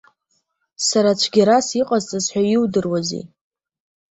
Сара цәгьарас иҟасҵаз ҳәа иудыруазеи?